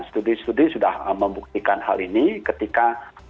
studi studi sudah membuktikan hal ini ketika